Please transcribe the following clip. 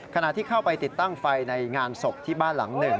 ขณะที่เข้าไปติดตั้งไฟในงานศพที่บ้านหลังหนึ่ง